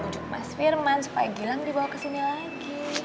ujuk mas firman supaya gilang dibawa ke sini lagi